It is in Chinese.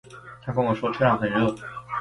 她跟我说车上很热